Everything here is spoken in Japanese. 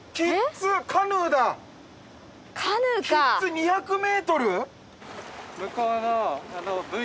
２００ｍ！？